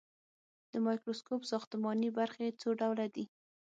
د مایکروسکوپ ساختماني برخې څو ډوله دي.